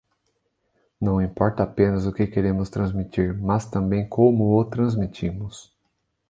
Não importa apenas o que queremos transmitir, mas também como o transmitimos.